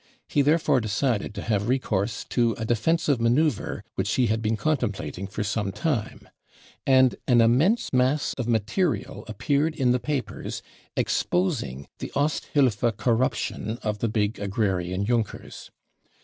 He therefore decided to have recourse to a defensive manoeuvre which he had been j contemplating for some time, and an immense mass of mat erial appeared in the papers, exposing the Osthilfe corrup I tion of the big agrarian Junkers.